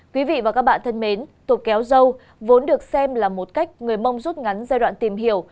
quý vị và các bạn thân mến tổ kéo dâu vốn được xem là một cách người mông rút ngắn giai đoạn tìm hiểu